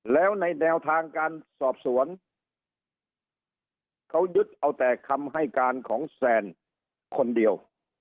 แล้วในแนวทางการสอบสวนเขายึดเอาแต่คำให้การของแซนคนเดียว